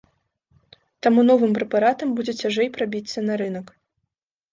Таму новым прэпаратам будзе цяжэй прабіцца на рынак.